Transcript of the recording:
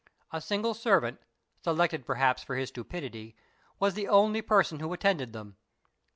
A single servant, selected perhaps for his stupidity, was the only person who attended them.